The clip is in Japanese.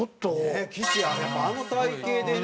ねえ岸やっぱあの体形でね。